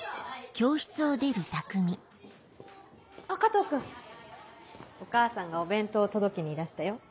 あっ加藤君。お母さんがお弁当届けにいらしたよ。